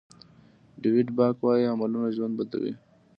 ډویډ باک وایي عملونه ژوند بدلوي.